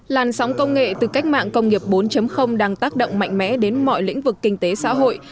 làn sóng công nghệ từ cách mạng công nghiệp bốn đang tác động mạnh mẽ đến mọi lĩnh vực kinh tế xã hội